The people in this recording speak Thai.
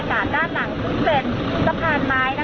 มีความเดือนร้อนเป็นอย่างมากเดี๋ยวเราจะให้ดูข้ามบรรยากาศด้านหลังสุดเสร็จ